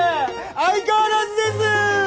相変わらずです！